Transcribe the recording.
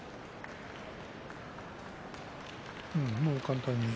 もう簡単に。